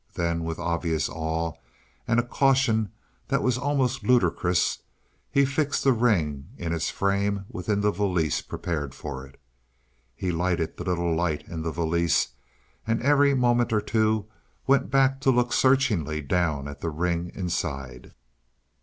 Then with obvious awe, and a caution that was almost ludicrous, he fixed the ring in its frame within the valise prepared for it. He lighted the little light in the valise, and, every moment or two, went back to look searchingly down at the ring inside.